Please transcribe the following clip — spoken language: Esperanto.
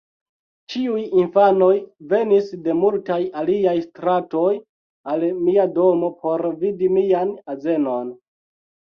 Ĉiuj infanoj venis de multaj aliaj stratoj, al mia domo, por vidi mian azenon.